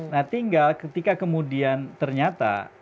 nah tinggal ketika kemudian ternyata